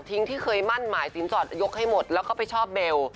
ที่เคยมั่นหมายสินสอดยกให้หมดแล้วก็ไปชอบเบล